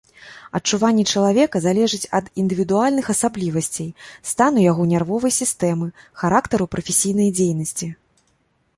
Адчуванні чалавека залежаць ад індывідуальных асаблівасцей, стану яго нервовай сістэмы, характару прафесійнай дзейнасці.